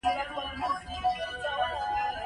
په حرم کې یې شپږ زره ښایسته مینځیاني درلودې.